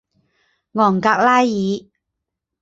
昂格拉尔。